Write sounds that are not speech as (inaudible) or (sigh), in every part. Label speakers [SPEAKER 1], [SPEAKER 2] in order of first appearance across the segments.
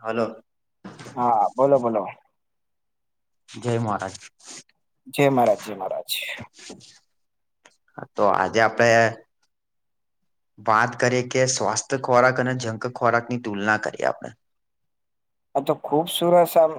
[SPEAKER 1] હાલો.
[SPEAKER 2] હા બોલો બોલો
[SPEAKER 1] જય મહારાજ
[SPEAKER 2] જય મહારાજ જય મહારાજ
[SPEAKER 1] હા તો આજે આપડે વાત કરી કે સ્વાસ્થ્ય ખોરાક અને જંક ખોરાક ની તુલના કરીએ આપણે
[SPEAKER 2] આ તો ખુબ સુરસ આમ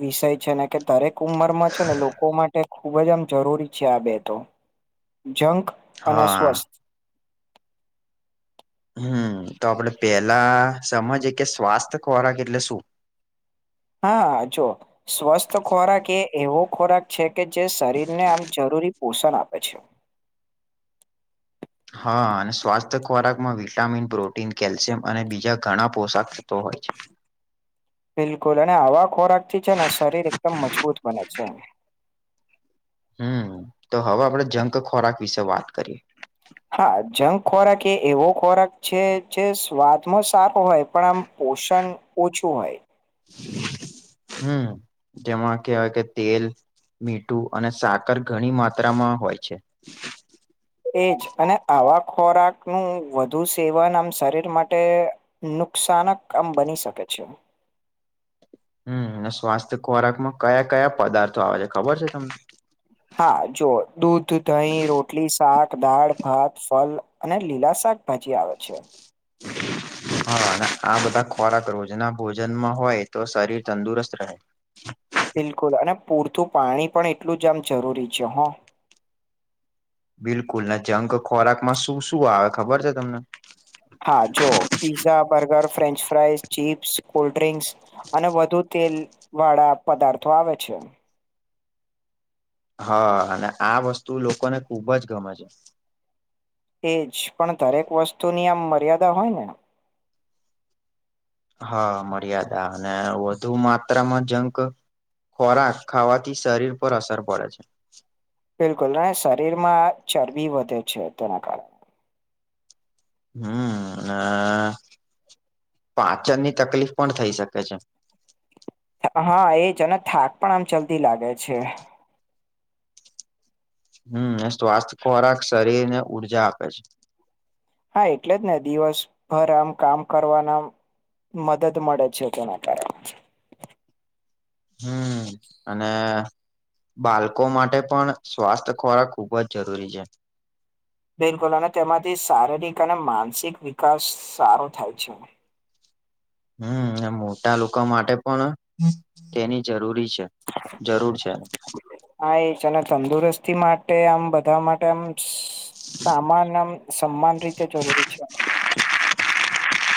[SPEAKER 2] વિષય છે ને કે દરેક ઉંમરમાં છે ને લોકો માટે ખૂબ જ આમ જરૂરી છે આ બે તો જંક અને
[SPEAKER 1] હા
[SPEAKER 2] સ્વસ્થ
[SPEAKER 1] હમ તો આપડે પેલા સમજીએ કે સ્વાસ્થ ખોરાક એટલે શું
[SPEAKER 2] હા જો સ્વસ્થ ખોરાક એ એવો ખોરાક છે કે જે શરીરને આમ જરૂરી પોષણ આપે છે
[SPEAKER 1] હા અને સ્વાસ્થ્ય ખોરાકમાં વિટામિન પ્રોટીન કેલ્શિયમ અને બીજા ઘણા પોશાક તો હોય છે
[SPEAKER 2] બિલકુલ અને આવા ખોરાક થી છે ને શરીર એકદમ મજબૂત બને છે
[SPEAKER 1] હમ તો હવે આપડે જંક ખોરાક વિશે વાત કરીએ
[SPEAKER 2] હા જંક ખોરાક એ એવો ખોરાક છે જે સ્વાદમાં સારો હોય પણ આમ પોષણ ઓછું હોય
[SPEAKER 1] હમ જેમાં કહેવાય કે તેલ મીઠું અને સાકર ઘણી માત્રામાં હોય છે
[SPEAKER 2] એજ અને આવા ખોરાક નું વધુ સેવન આમ શરીર માટે નુકસાનક આમ બની શકે છે
[SPEAKER 1] હમ અને સ્વાસ્થ્ય ખોરાકમાં કયા કયા પદાર્થો આવે છે ખબર છે તમને
[SPEAKER 2] હા જોઓ દૂધ દહીં રોટલી શાક દાળ ભાત ફલ અને લીલા શાક પછી આવેત છે
[SPEAKER 1] હા અને આ બધા ખોરાક રોજના ભોજનમાં હોય તો શરીર તંદુરસ્ત રહે
[SPEAKER 2] બિલકુલ અને પૂરતું પાણી પણ એટલું જ આમ જરૂરી છે હ
[SPEAKER 1] બિલકુલ ને જંગ ખોરાકમાં શું શું આવે ખબર છે તમને
[SPEAKER 2] હા જો pizza burger French fry chips cold drinks અને વધુ તેલ વાળા પદાર્થો આવે છે
[SPEAKER 1] હા અને આ વસ્તુ લોકોને ખુબ જ ગમે છે
[SPEAKER 2] એ જ પણ દરેક વસ્તુની આમ મર્યાદા હોય ને
[SPEAKER 1] હા મર્યાદા અને વધુ માત્રામાં જંક ખોરાક ખાવાથી શરીર પર અસર પડે છે
[SPEAKER 2] બિલકુલ અને શરીરમાં ચરબી વધે છે તેના કારણે
[SPEAKER 1] હમ પાચન ની તકલીફ પણ થઈ શકે છે
[SPEAKER 2] હા એજ અને થાક પણ આમ ચાલતી લાગે છે
[SPEAKER 1] હમ એ સ્વાસ્થ્ય ખોરાક શરીર ને ઉર્જા આપે છે
[SPEAKER 2] હા એટલે જ ને દિવસભર આમ કામ કરવાનામ મદદ મળે છે પણ આકાર
[SPEAKER 1] હમ અને બાળકો માટે પણ સ્વાસ્થ્ય ખોરાક ખુબ જ જરૂરી છે
[SPEAKER 2] બિલકુલ અને તેમાંથી શારીરિક અને માનસિક વિકાસ સારો થાય છે
[SPEAKER 1] હમ મોટા લોકો માટે પણ તેની જરૂરી છે જરૂર છે
[SPEAKER 2] હા એ છે અને તંદુરસ્તી માટે આમ બધા માટે આમ સામાન આમ સમાંન રીતે જરૂરી છે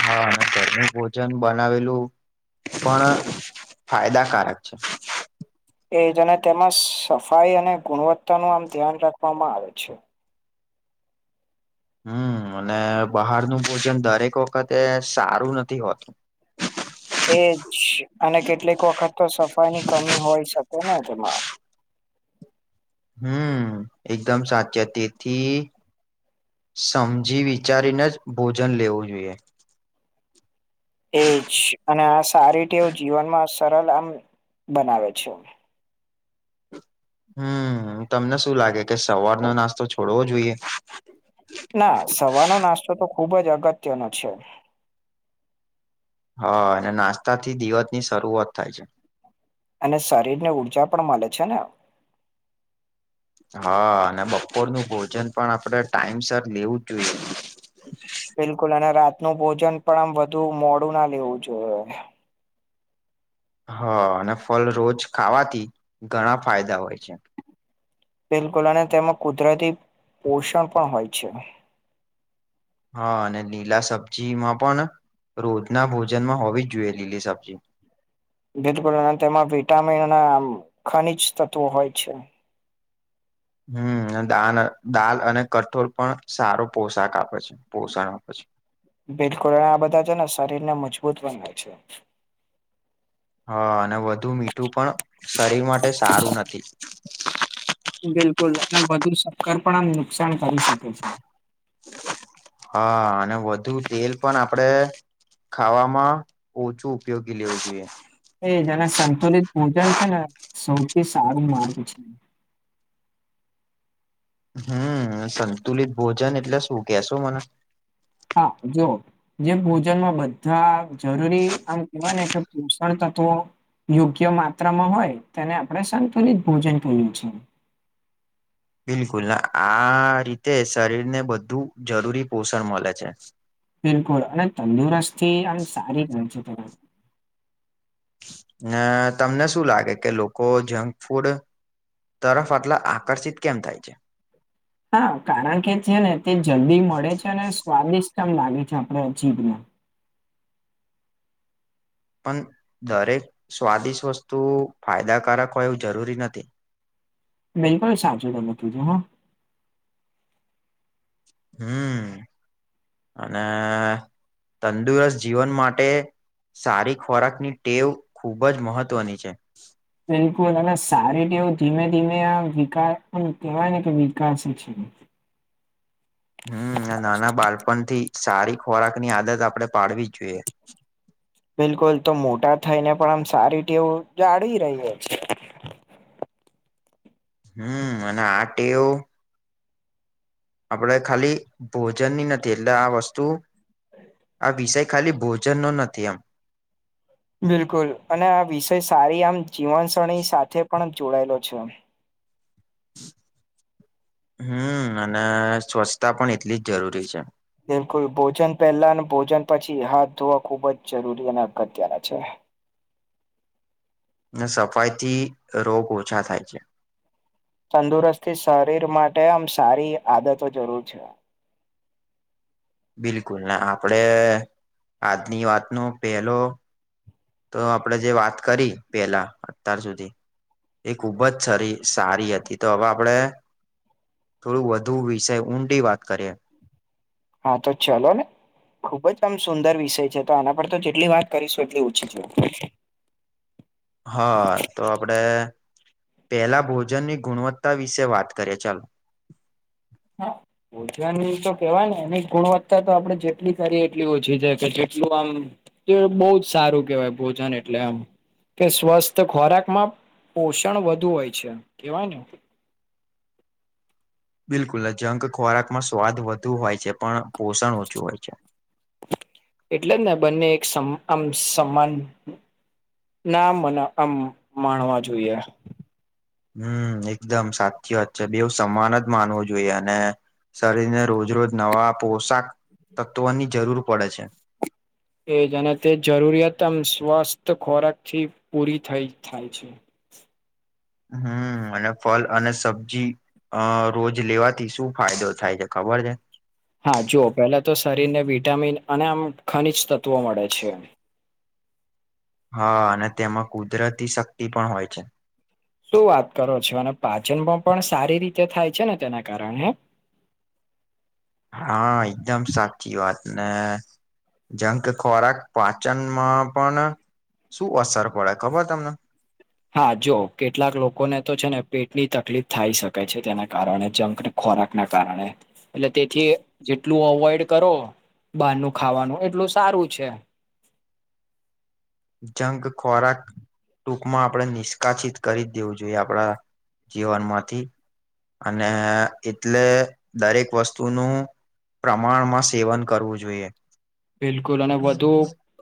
[SPEAKER 1] હા અને ઘરનું ભોજન બનાવેલું પણ ફાયદાકારક છે
[SPEAKER 2] એજ અને તેમાં સફાઈ અને ગુણવત્તા નું આમ ધ્યાન રાખવામાં આવે છે
[SPEAKER 1] હમ અને બહારનું ભોજન દરેક વખતે સારું નથી હોતું
[SPEAKER 2] એજ અને કેટલીક વખત તો સફાઈ ની કમી હોય શકે ને તેમાં
[SPEAKER 1] હમ એકદમ સાચા તેથી સમજી વિચારીને જ ભોજન લેવું જોઈએ
[SPEAKER 2] એજ અને આ સારીટેવ જીવનમાં સરળ આમ બનાવે છે
[SPEAKER 1] હમમ તમને શું લાગે કે સવારનો નાસ્તો છોડવો જોઈએ
[SPEAKER 2] ના સવારનો નાસ્તો તો ખુબ જ અગત્યનો છે
[SPEAKER 1] હા અને નાસ્તા થી દિવસ ની શરૂઆત થાય છે
[SPEAKER 2] અને શરીર ને ઊર્જા પણ મળે છે ને
[SPEAKER 1] હા અને બપોરનું ભોજન પણ આપણેે ટાઈમ સર લેવું જ જોઈએ
[SPEAKER 2] બિલકુલ અને રાતનું ભોજન પણ આમ વધુ મોડું ના લેવું જોઈએ
[SPEAKER 1] હ અને ફળ રોજ ખાવાથી ઘણા ફાયદા હોય છે
[SPEAKER 2] બિલકુલ અને તેમાં કુદરતી પોષણ પણ હોય છે
[SPEAKER 1] હા અને લીલા સબ્જીમાં પણ રોજના ભોજનમાં હોવી જ જોઈએ લીલી સબ્જી
[SPEAKER 2] બિલકુલ અને તેમાં વિટામિન અને આમ ખનીજ તત્વો હોય છે
[SPEAKER 1] હમ દાન દાલ અને કઠોર પણ સારો પોશાક આપે છે પોષણ આપે છે
[SPEAKER 2] બિલકુલ આ બધા છે ને શરીરને મજબૂત બનાવે છે
[SPEAKER 1] હા અને વધુ મીઠું પણ શરીર માટે સારું નથી
[SPEAKER 2] બિલકુલ અને વધુ સક્કર પણ આ નુકસાન કરી શકે છે
[SPEAKER 1] હા અને વધુ તેલ પણ આપડે ખાવામાં ઓછું ઉપયોગી લેવું જોઈએ
[SPEAKER 2] એ જેના સંતુલિત પૂજન છે ને સૌથી સારું માર્ગ છે
[SPEAKER 1] હમ સંતુલિત ભોજન એટલે શું કેશો મને
[SPEAKER 2] હા જોઓ જે ભોજનમાં બધા જરૂરી આમ કેવાય ને કે પોષણ તત્વો યોગ્ય માત્રામાં હોય તેને આપણે સંતુલિત ભોજન કઇ એ છે
[SPEAKER 1] બિલકુલ આ રીતે શરીર ને બધું જરૂરી પોષણ મળે છે
[SPEAKER 2] બિલકુલ અને તંદુરસ્તથી આમ સારી ગન છે તમે
[SPEAKER 1] અ તમને શું લાગે કે લોકો જંક ફૂડ તરફ આટલા આકર્ષિત કેમ થાય છે
[SPEAKER 2] હા કારણ કે છે ને તે જલ્દી મળે છે અને સ્વાદિષ્ટ એમ લાગે છે આપડ અ જીભ ને
[SPEAKER 1] પણ દરેક સ્વાદિષ્ટ વસ્તુ ફાયદાકારક હોય એવું જરૂરી નથી
[SPEAKER 2] બિલકુલ સાચું તમે કીધું હો
[SPEAKER 1] હમ અને તંદુરસ્ત જીવન માટે સારી ખોરાક ની ટેવ ખુબ જ મહત્વની છે
[SPEAKER 2] બિલકુલ અને સારીતેવું ધીમે ધીમે આ વિકાસ કેવાય ને કે વિકાસ છે
[SPEAKER 1] હમ નાના બાળપણ થી સારી ખોરાક ની આદત આપડે પાડવી જ જોઈએ
[SPEAKER 2] બિલકુલ તો મોટા થઈ ને પણ આમ સારી ટેવ જાળવી રહીએ
[SPEAKER 1] હમ અને આ ટેવ આપડે ખાલી ભોજન ની નથી એટલે આ વસ્તુ આ વિષય ખાલી ભોજન નો નથી એમ
[SPEAKER 2] બિલકુલ, અને આ વિષય સારી આમ જીવન શરણી સાથે પણ જોડાયેલો છે.
[SPEAKER 1] હમ, અને સ્વચ્છતા પણ એટલી જ જરૂરી છે.
[SPEAKER 2] બિલકુલ, ભોજન પહેલા ભોજન પછી હાથ ધોવા ખુબ જ જરૂરી અને અગત્યના છે.
[SPEAKER 1] ને સફાઈ થી રોગ ઓછા થાય છે.
[SPEAKER 2] તંદુરસ્તી શરીર માટે આમ સારી આદતો જરૂર છે.
[SPEAKER 1] બિલકુલ, ના આપડે આજની વાત ન પેલો તો આપણેે જે વાત કરી પેલા અત્યાર સુધી એ ખૂબ જ સ સારી હતી, તો હવે આપણેે થોડું વધુ વિષય ઊંડી વાત કરીએ.
[SPEAKER 2] હા તો ચલો ને. ખુબ જ આમ સુંદર વિષય છે. તો આના પર તો જેટલી વાત કરીશું એટલી ઓછી છે
[SPEAKER 1] (unintelligible) હા, તો આપડે પેલા ભોજનની ગુણવત્તા વિશે વાત કરીએ ચાલો.
[SPEAKER 2] હા. ભોજન તો કેવાય ને એની ગુણવત્તા તો આપડે જેટલી કરીએ એટલી ઓછી છે કે જેટલું આમ તો બહુ જ સારું કેહેવાય ભોજન એટલે આમ કે સ્વસ્થ ખોરાકમાં પોષણ વધુ હોય છે, કેવાય ને?
[SPEAKER 1] બિલકુલ જંંગ ખોરાકમાં સ્વાદ વધુ હોય છે પણ પોષણ ઓછું હોય છે.
[SPEAKER 2] એટલે જ ને બંને એક આમ સમાન નામ મને આમ માણવા જોઈએ.
[SPEAKER 1] હમ, એકદમ સાચી વાત છે બેવ સમાન જ માનવું જોઈએ. અને શરીરને રોજ-રોજ નવા પોશાક તત્વોની જરૂર પડે છે.
[SPEAKER 2] એજ અને તે જરૂરિયાતમ સ્વસ્થ ખોરાક થી પૂરી થઈ થાય છે.
[SPEAKER 1] હમ અને ફલ અને સબ્જી અ રોજ લેવાથી શું ફાયદો થાય છે ખબર છે?
[SPEAKER 2] હા જુઓ પેલા તો શરીરને વિટામિન અને આમ ખનીજ તત્વો મળે છે.
[SPEAKER 1] હા, અને તેમાં કુદરતી શક્તિ પણ હોય છે.
[SPEAKER 2] શું વાત કરો છો! અને પાચનમાં પણ સારી રીતે થાય છે ને તેના કારણે હે
[SPEAKER 1] હા, એકદમ સાચી વાત ને‌ જંંગ ખોરાક પાચનમાં પણ શું અસર પડે ખબર તમને?
[SPEAKER 2] હા જો કેટલાક લોકોને તો છે ને પેટની તકલીફ થાય શકે છે તેના કારણે જંકને ખોરાકના કારણે એટલે તેથી જેટલું અવોઈડ કરો બારનું ખાવાનું એટલું સારું છે.
[SPEAKER 1] જંગ ખોરાક ટૂંકમાં આપડે નિષ્કાસિત કરી જ દેવું જોઈએ આપડા જીવનમાંથી. અને એટલે દરેક વસ્તુનું પ્રમાણમાં સેવન કરવું જોઈએ
[SPEAKER 2] બિલકુલ અને વધુ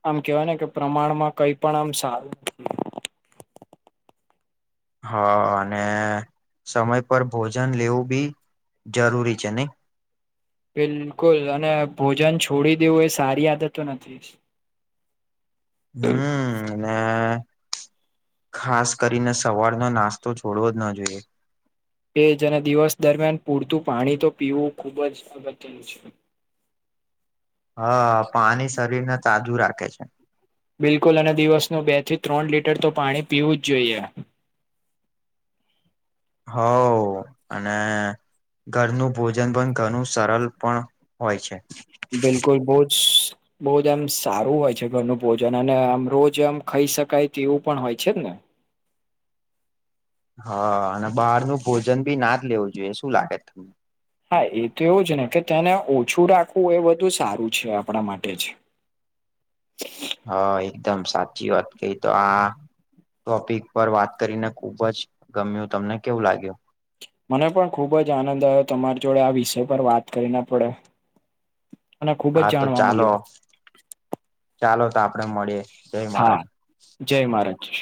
[SPEAKER 2] આમ કેવાય ને કે પ્રમાણમાં કંઈ પણ આમ સારું
[SPEAKER 1] હા, અને સમય પર ભોજન લેવું બી જરૂરી છે નહીં.
[SPEAKER 2] બિલકુલ અને ભોજન છોડી દેવું એ સારી આદતો નથી.
[SPEAKER 1] હમ. અને ખાસ કરીને સવારનો નાસ્તો છોડવો જ ન જોઈએ.
[SPEAKER 2] એજ અને દિવસ દરમિયાન પૂરતું પાણી તો પીવું ખુબ જ અગત્ય છે.
[SPEAKER 1] હા, પાણી શરીર ને તાજુ રાખે છે.
[SPEAKER 2] બિલકુલ, અને દિવસનું બે થી ત્રણ લીટર તો પાણી પીવું જ જોઈએ.
[SPEAKER 1] હાવ અને ઘરનું ભોજન પણ ઘણું સરળ પણ હોય છે‌.
[SPEAKER 2] બિલકુલ બો જ ભોજન સારું હોય છે, ઘરનુ ભોજન અને આમ રોજ આમ ખાઈ શકાય તે એવું પણ હોય છે ને.
[SPEAKER 1] હા, અને બારનુ ભોજન ભી ના જ લેવું જોઈએ, શું લાગે તમને?
[SPEAKER 2] હા એ તો એવું જ ને કે તેને ઓછું રાખવું એ બધું સારું છે આપડા માટે જ
[SPEAKER 1] હા એકદમ સાચી વાત કઈ તો આ ટોપિક પર વાત કરીને ખુબ જ ગમ્યું તમને કેવું લાગ્યું?
[SPEAKER 2] મને પણ ખૂબ જ આનંદ આવ્યો તમારી જોડે આ વિષય પર વાત કરીને પડે અને ખુબ જ
[SPEAKER 1] હા તો
[SPEAKER 2] જાણવા
[SPEAKER 1] ચાલો
[SPEAKER 2] મળ્યું.
[SPEAKER 1] ચાલો તો આપડે મળીએ જય
[SPEAKER 2] હા
[SPEAKER 1] મહારાજ
[SPEAKER 2] જય મહારાજછ-છ